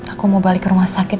aku mau balik ke rumah sakit